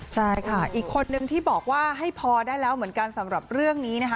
ใช่ค่ะอีกคนนึงที่บอกว่าให้พอได้แล้วเหมือนกันสำหรับเรื่องนี้นะคะ